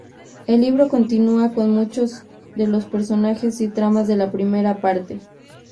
El libro continua con muchos de los personajes y tramas de la primera parte.